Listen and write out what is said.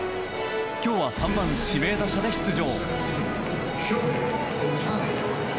今日は３番指名打者で出場。